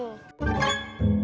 tunggu aku mau cari